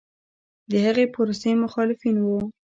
د هغې پروسې مخالفین و